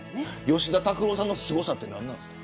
吉田拓郎さんのすごさって何ですか。